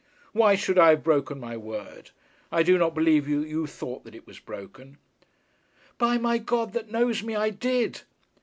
Why should I have broken my word? I do not believe that you thought that it was broken.' 'By my God, that knows me, I did!'